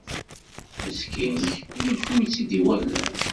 Meskint, ulac win i tt-id-iwalan.